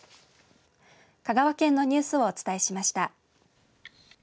香川県のニュースをお伝えしました。